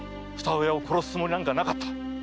〔二親を殺すつもりなんかなかった〕